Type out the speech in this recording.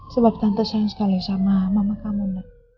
sebab tante sayang sekali sama mama kamu